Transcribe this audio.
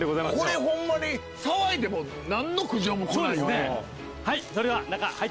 これホンマに騒いでも何の苦情も来ないですね。